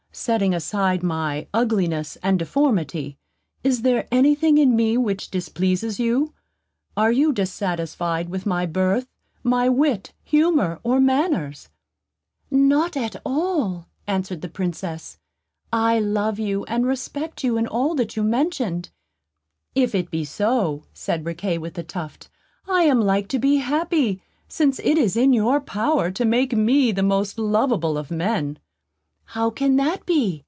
Setting aside my ugliness and deformity, is there any thing in me which displeases you? Are you dissatisfied with my birth, my wit, humour, or manners?" [Illustration: "RIQUET WITH THE TUFT APPEARED TO HER THE FINEST PRINCE UPON EARTH"] "Not at all," answered the Princess; "I love you and respect you in all that you mention." "If it be so," said Riquet with the Tuft, "I am like to be happy, since it is in your power to make me the most lovable of men." "How can that be?"